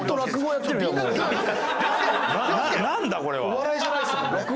お笑いじゃないですもんね。